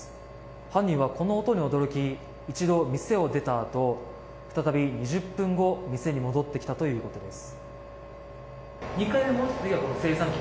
犯人はこの音に驚き一度、店を出たあと再び２０分後店に戻ってきたということです。